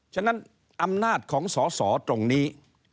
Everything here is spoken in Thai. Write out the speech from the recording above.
ฉะนั้นอำนาจของสอสอตรงนี้